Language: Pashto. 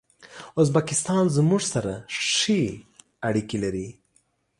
ازبکستان زموږ سره ښې اړیکي لري.